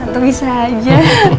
tuh bisa aja